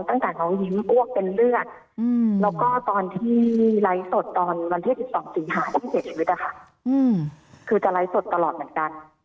ตั้งแต่น้องยิ้มอ้วกเป็นเลือดแล้วก็ตอนที่ไลฟ์สดตอนวันที่๑๒สิงหาที่เสียชีวิตนะคะคือจะไลฟ์สดตลอดเหมือนกัน